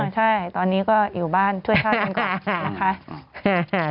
ใช่ตอนนี้ก็อยู่บ้านช่วยชาติกันก่อนนะคะ